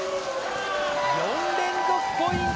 ４連続ポイント